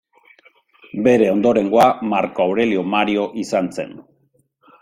Bere ondorengoa, Marko Aurelio Mario izan zen.